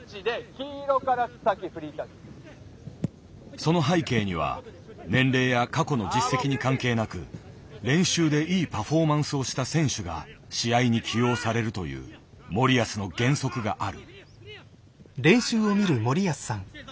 その背景には年齢や過去の実績に関係なく練習でいいパフォーマンスをした選手が試合に起用されるという森保の原則がある。